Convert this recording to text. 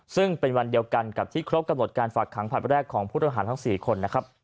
ซึ่งเป็นวันเดียวกันที่เคราะห์กันบทการฝากหางภาพแรกของทุกชีวิตที่๔คน